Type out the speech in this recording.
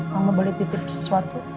mama boleh titip sesuatu